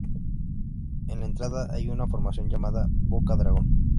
En la entrada, hay una formación llamada boca Dragón.